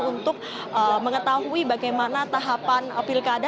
untuk mengetahui bagaimana tahapan pilkada